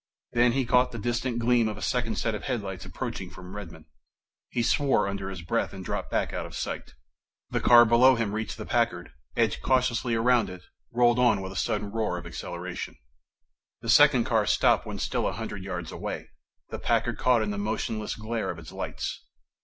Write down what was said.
Then he caught the distant gleam of a second set of headlights approaching from Redmon. He swore under his breath and dropped back out of sight. The car below him reached the Packard, edged cautiously around it, rolled on with a sudden roar of acceleration. The second car stopped when still a hundred yards away, the Packard caught in the motionless glare of its lights.